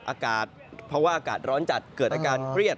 อากาศเพราะว่าอากาศร้อนจัดเกิดอาการเครียด